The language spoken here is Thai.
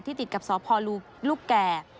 ติดกับสพลูกแก่